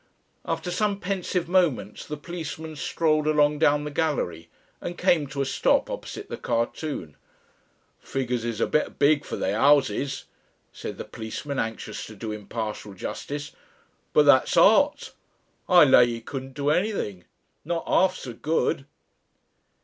After some pensive moments the policeman strolled along down the gallery and came to a stop opposite the cartoon. "Figgers is a bit big for the houses," said the policeman, anxious to do impartial justice. "But that's Art. I lay 'e couldn't do anything ... not arf so good."